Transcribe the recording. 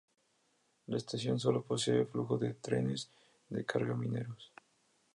La estación solo posee flujo de trenes de carga mineros.